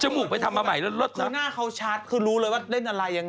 จมูกไปทำมาใหม่เลิศนะครับขุนหน้าเขาชัดคือรู้เลยว่าเล่นอะไรยังไง